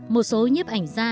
một số nhếp ảnh ra